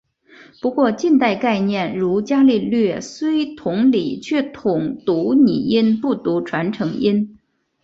不过近代概念如伽利略虽同理却统读拟音不读传承音。